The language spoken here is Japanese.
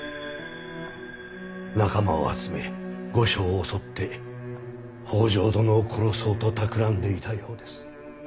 仲間を集め御所を襲って北条殿を殺そうとたくらんでいたようです。